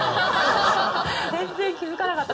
全然気づかなかった。